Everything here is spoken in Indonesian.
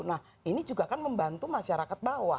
nah ini juga kan membantu masyarakat bawah